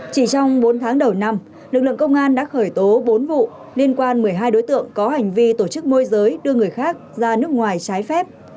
chỉ trong bốn tháng đầu năm lực lượng công an đã khởi tố bốn vụ liên quan một mươi hai đối tượng có hành vi tổ chức môi giới đưa người khác ra nước ngoài trái phép